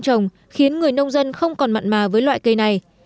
trồng khiến người nông dân không còn mặn mà với loại cây này